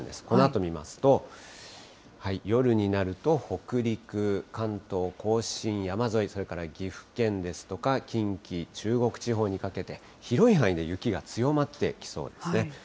このあと見ますと、夜になると、北陸、関東甲信、山沿い、それから岐阜県ですとか、近畿、中国地方にかけて、広い範囲で雪が強まってきそうですね。